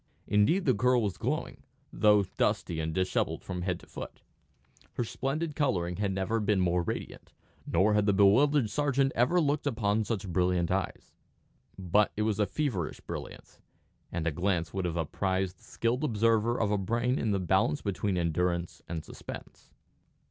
Indeed the girl was glowing, though dusty and dishevelled from head to foot. Her splendid colouring had never been more radiant, nor had the bewildered sergeant ever looked upon such brilliant eyes. But it was a feverish brilliance, and a glance would have apprised the skilled observer of a brain in the balance between endurance and suspense.